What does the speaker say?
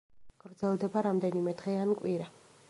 გრძელდება რამდენიმე დღე ან კვირა.